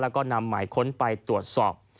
แล้วก็นำหมายค้นไปตรวจสอบ